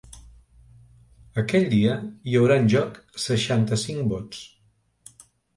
Aquell dia hi haurà en joc seixanta-cinc vots.